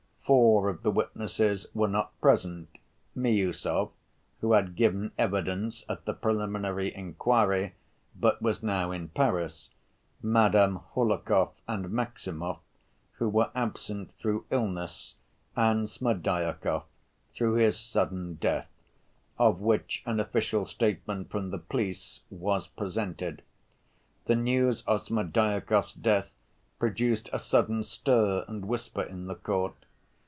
Four of the witnesses were not present—Miüsov, who had given evidence at the preliminary inquiry, but was now in Paris; Madame Hohlakov and Maximov, who were absent through illness; and Smerdyakov, through his sudden death, of which an official statement from the police was presented. The news of Smerdyakov's death produced a sudden stir and whisper in the court.